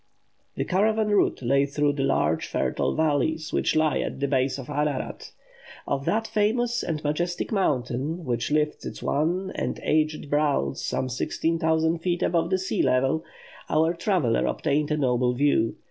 The caravan route lay through the large fertile valleys which lie at the base of Ararat. Of that famous and majestic mountain, which lifts its wan and aged brow some 16,000 feet above the sea level, our traveller obtained a noble view.